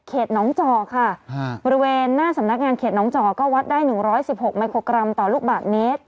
น้องจ่อค่ะบริเวณหน้าสำนักงานเขตน้องจอก็วัดได้๑๑๖มิโครกรัมต่อลูกบาทเมตร